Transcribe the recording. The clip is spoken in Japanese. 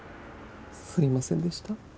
すいませんでした。